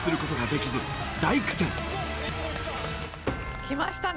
きましたね。